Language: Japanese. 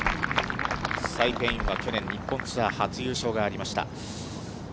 サイ・ペイインは去年、日本ツアー初優勝がありました。